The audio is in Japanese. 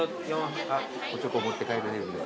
おちょこ持って帰れるんで。